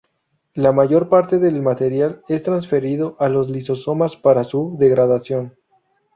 La mayor parte del material es transferido a los lisosomas para su degradación.